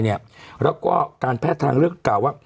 แล้วก็การแพทย์ทางเลือกเก่า